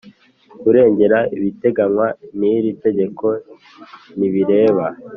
Kurengera biteganywa n iri tegeko ntibireba